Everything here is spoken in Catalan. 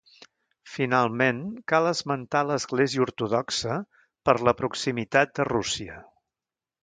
Finalment, cal esmentar l'església ortodoxa, per la proximitat de Rússia.